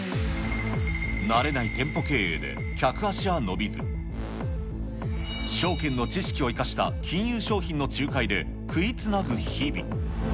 慣れない店舗経営で客足は伸びず、証券の知識を生かした金融商品の仲介で食いつなぐ日々。